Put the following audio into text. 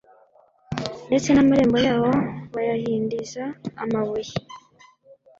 ndetse n'amarembo yawo bayahindiza amabuye